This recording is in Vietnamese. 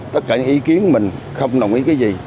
tất cả những ý kiến mình không đồng ý cái gì